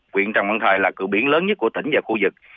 quyện trần văn thời là cửa biển lớn nhất của tỉnh và khu vực